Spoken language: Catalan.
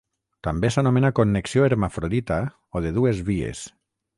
També s'anomena connexió hermafrodita o de dues vies.